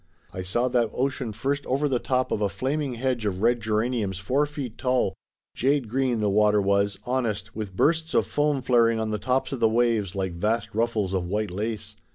I saw that ocean first over the top of a flaming hedge of red geraniums four feet tall; jade green, the water was, honest, with bursts of foam flaring on the tops of the waves like vast ruffles of white lace.